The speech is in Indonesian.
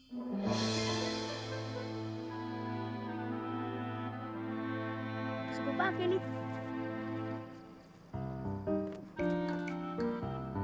hanya naiklah leftodo bacungsimu